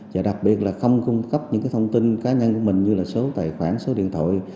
và đặc biệt là không cung cấp những thông tin cá nhân của mình như là số tài khoản số điện thoại